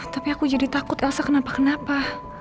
tapi aku jadi takut elsa kenapa kenapa